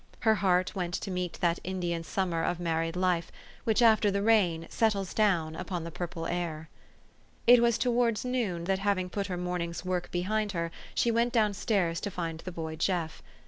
Her heart went to meet that Indian summer of married life, which, after the rain, settles down upon the purple air. It was towards noon, that, having put her morn ing's work well behind her, she went down stairs to find the boy Jeff.